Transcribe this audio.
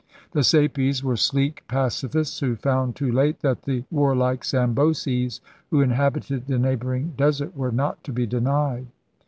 The Sapies were sleek pacifists who found too late that the warlike Samboses, who inhabited the neighboring desert, were not to be denied.